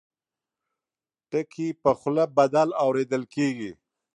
ټکي په خوله بدل اورېدل کېږي.